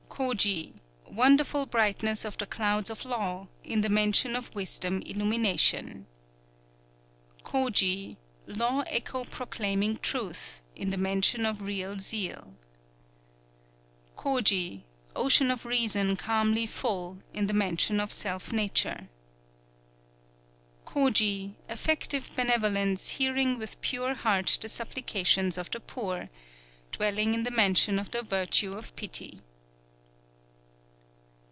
_ Koji, Wonderful Brightness of the Clouds of Law, in the Mansion of Wisdom Illumination. Koji, Law Echo proclaiming Truth, in the Mansion of Real Zeal. Koji, Ocean of Reason Calmly Full, in the Mansion of Self Nature. _Koji, Effective Benevolence Hearing with Pure Heart the Supplications of the Poor, dwelling in the Mansion of the Virtue of Pity.